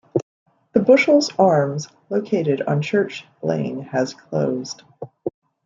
The "Bushells Arms" located on Church Lane has closed.